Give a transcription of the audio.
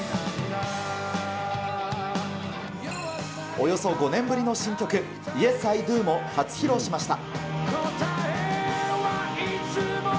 およそ５年ぶりの新曲、イエス・アイ・ドゥも初披露しました。